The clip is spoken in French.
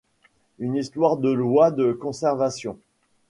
Une histoire de loi de conservation.